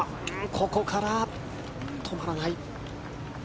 ここから止まらない。